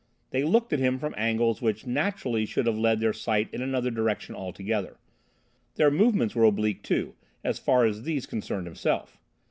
They looked at him from angles which naturally should have led their sight in another direction altogether. Their movements were oblique, too, so far as these concerned himself.